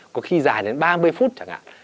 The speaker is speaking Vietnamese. có khi dài đến ba mươi phút chẳng hạn